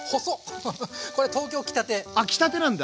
あ来たてなんだ！